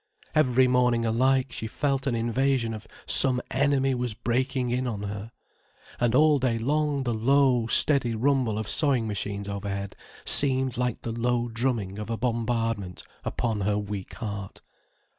Every morning alike, she felt an invasion of some enemy was breaking in on her. And all day long the low, steady rumble of sewing machines overhead seemed like the low drumming of a bombardment upon her weak heart.